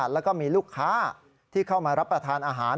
แล้วก็มีลูกค้าที่เข้ามารับประทานอาหาร